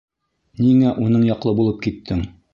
Ниңә уның яҡлы булып киттең?